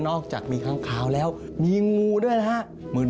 นอกจากมีข้างขาวแล้วมีงูด้วยนะครับ